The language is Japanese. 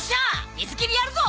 水切りやるぞ！